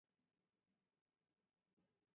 関東上流江戸桜